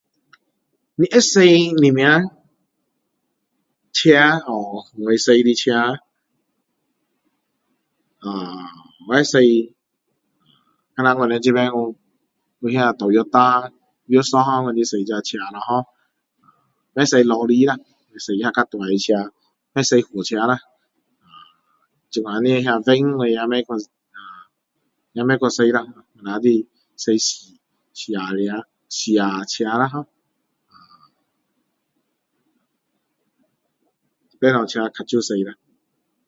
我会驾什么车叫什么车呃我会驾我们这边我那个Toyota Vios 啦hor 这个车啦不会驾lorry 啦不会驾那些比较s大的车不会驾货车呃这样的van 也不会去驾我们就是驾私家车私家车啦hor